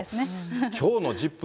きょうのＺＩＰ！